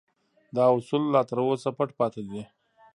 دا اصول لا تر اوسه پټ پاتې دي